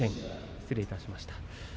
失礼いたしました。